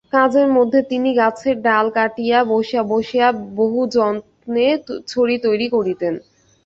কাজের মধ্যে তিনি গাছের ডাল কাটিয়া বসিয়া বসিয়া বহুযত্নে ছড়ি তৈরি করিতেন।